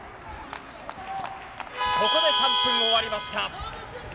ここで３分終わりました。